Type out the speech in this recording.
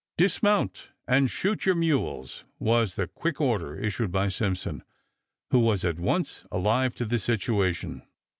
"Dismount and shoot your mules," was the quick order issued by Simpson, who was at once alive to the situation.